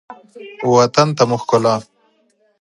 وطن ته مو ښکلا